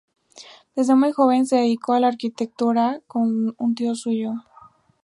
Desde muy joven se dedicó a la arquitectura con un tío suyo.